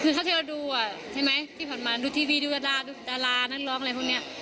คือเท่าที่เราดูอ่ะใช่ไหมที่ผ่านมาดูทีวีดูดาดูดารานักร้องอะไรพวกนี้